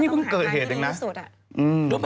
นี่คือเกิดเหตุหนึ่งนะ